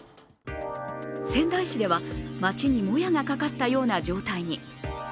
仙台市では街にもやがかかったような状態に。